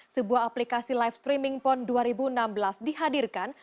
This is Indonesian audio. sebuah aplikasi live streaming pon dua ribu enam belas dihadirkan